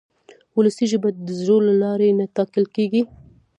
وولسي ژبه د زور له لارې نه ټاکل کېږي.